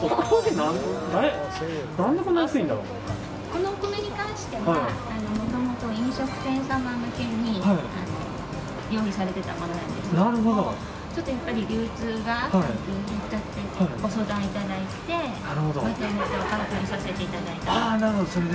このお米に関してはもともと飲食店さん向けに用意されてたものなんですけども流通が減っちゃってご相談いただいてまとめてお買い取りさせていただいた。